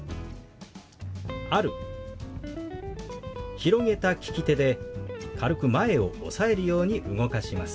広げた利き手で軽く前を押さえるように動かします。